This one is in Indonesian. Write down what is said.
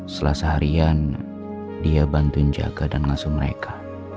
setelah seharian dia bantuin jaga dan ngasuh mereka